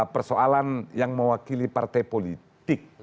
persoalan yang mewakili partai politik